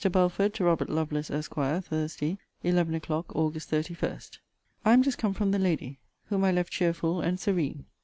BELFORD, TO ROBERT LOVELACE, ESQ. THURSDAY, 11 O'CLOCK, AUG. 31. I am just come from the lady, whom I left cheerful and serene.